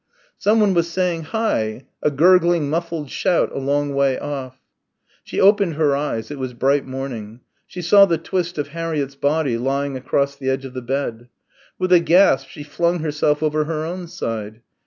Someone was saying "Hi!" a gurgling muffled shout, a long way off. She opened her eyes. It was bright morning. She saw the twist of Harriett's body lying across the edge of the bed. With a gasp she flung herself over her own side.